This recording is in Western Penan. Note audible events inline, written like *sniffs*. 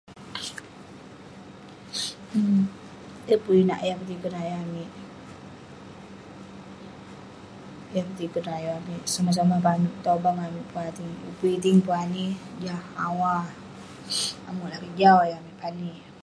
um Yeng pun inak yah petiken ayuk amik, yah petiken ayuk amik. Somah somah peh amik petobang, amik pun ani, pun iting pun ani, jah awa *sniffs* ame' lakeik jau ayuk amik pani.